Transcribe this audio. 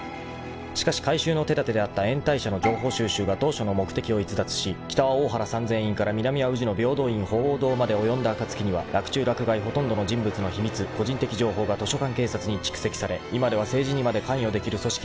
［しかし回収の手だてであった延滞者の情報収集が当初の目的を逸脱し北は大原三千院から南は宇治の平等院鳳凰堂まで及んだ暁にはらく中らく外ほとんどの人物の秘密個人的情報が図書館警察に蓄積され今では政治にまで関与できる組織になっていた］